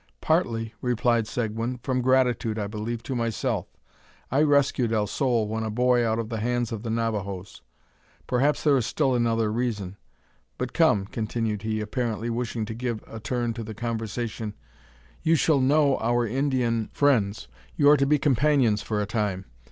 "Partly," replied Seguin, "from gratitude, I believe, to myself. I rescued El Sol when a boy out of the hands of the Navajoes. Perhaps there is still another reason. But come," continued he, apparently wishing to give a turn to the conversation, "you shall know our Indian friends. You are to be companions for a time.